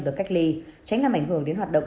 được cách ly tránh làm ảnh hưởng đến hoạt động